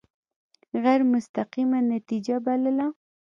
غیر مستقیمه نتیجه بلله.